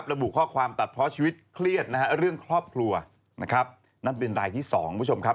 ระบุข้อความตัดเพราะชีวิตเครียดนะครับเรื่องครอบครัวเป็นลายที่สองกันครับ